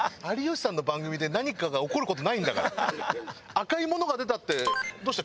赤いものが出たって「どうした？